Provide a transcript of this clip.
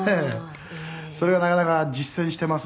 「それがなかなか実践してますんでね」